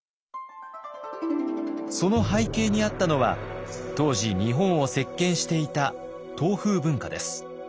その背景にあったのは当時日本を席巻していた唐風文化です。